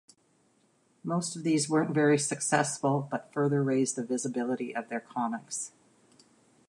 Most of these weren't very successful but further raised the visibility of their comics.